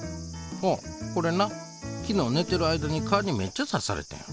ああこれな昨日ねてる間にかにめっちゃさされてん。